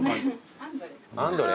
アンドレ。